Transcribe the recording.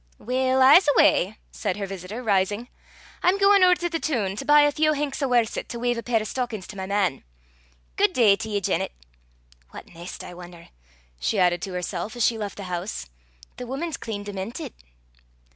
"Weel, I s' awa," said her visitor rising. "I'm gauin' ower to the toon to buy a feow hanks o' worset to weyve a pair o' stockins to my man. Guid day to ye, Janet. What neist, I won'er?" she added to herself as she left the house. "The wuman's clean dementit!"